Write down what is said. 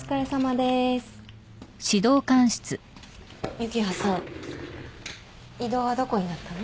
幸葉さん異動はどこになったの？